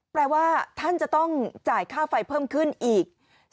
แปลว่าท่านจะต้องจ่ายค่าไฟเพิ่มขึ้นอีก